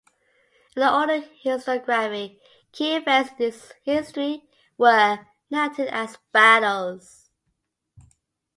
In an older historiography, key events in this history were narrated as battles.